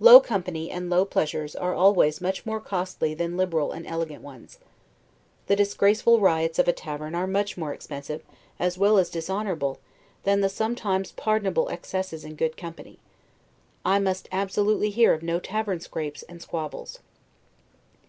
Low company, and low pleasures, are always much more costly than liberal and elegant ones. The disgraceful riots of a tavern are much more expensive, as well as dishonorable, than the sometimes pardonable excesses in good company. I must absolutely hear of no tavern scrapes and squabbles.